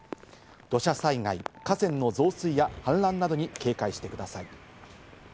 土砂災害、河川の増水や氾濫などに警戒してください。